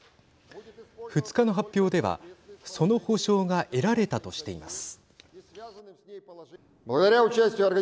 ２日の発表ではその保証が得られたとしています。